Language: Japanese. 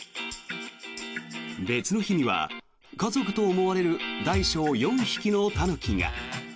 別の日には家族と思われる大小４匹のタヌキが。